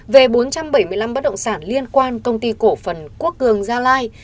về bốn trăm bảy mươi năm bất động sản liên quan công ty cổ phần quốc cường gia lai